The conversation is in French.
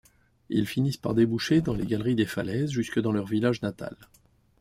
Ils finissent par déboucher dans les galeries des falaises, jusque dans leur village natal.